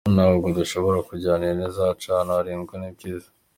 Ntabwo dushobora kujyana ihene zacu ahantu harindwa n’impyisi.